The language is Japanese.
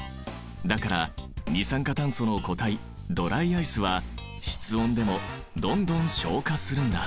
だから二酸化炭素の固体ドライアイスは室温でもどんどん昇華するんだ。